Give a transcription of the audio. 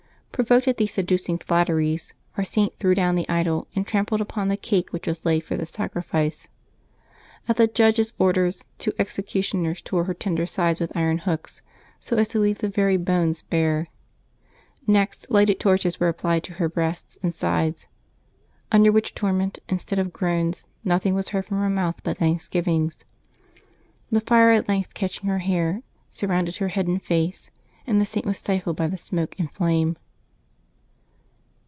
^' Provoked at these seducing flatteries, our Saint threw down the idol, and trampled upon the cake which was laid for the sacrifice. At the judge's order, two executioners tore her tender sides with iron hooks, so as to leave the very bones bare. Next lighted torches were applied to her breasts and sides ; under which torment, instead of groans, nothing was heard from her mouth but thanksgivings. The fire at length catching her hair, surrounded her head and face, and the Saint was stifled by the smoke and flame.